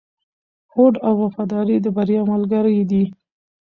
هوډ او وفاداري د بریا ملګري دي.